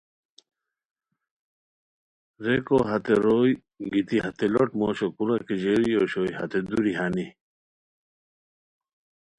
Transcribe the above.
ریکو ہتے روئے گیتی ہتے لوٹ موشو کورا کی ژیری اوشوئے ہتے دوری ہانی